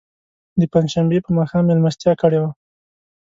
د پنج شنبې په ماښام میلمستیا کړې وه.